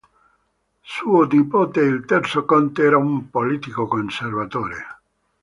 Suo nipote, il terzo conte, era un politico conservatore.